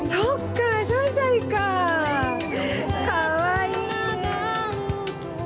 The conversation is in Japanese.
かわいいね。